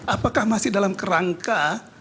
apakah masih dalam kerangka